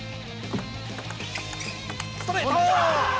ストレート！